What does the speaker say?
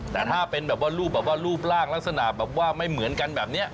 แต่ถ้าเป็นแบบว่ารูปแบบว่ารูปร่างลักษณะแบบว่าไม่เหมือนกันแบบนี้